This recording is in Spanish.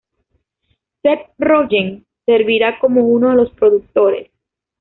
Seth Rogen servirá como uno de los productores.